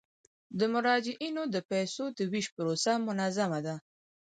د مراجعینو د پيسو د ویش پروسه منظمه ده.